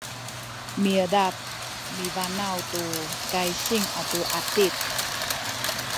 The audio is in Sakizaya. miedap mibanaw tu kaysing atu atip